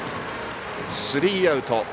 スリーアウト。